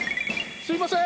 すいません。